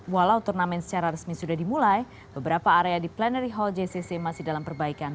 walau turnamen secara resmi sudah dimulai beberapa area di plenary hall jcc masih dalam perbaikan